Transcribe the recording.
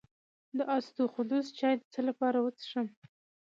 د اسطوخودوس چای د څه لپاره وڅښم؟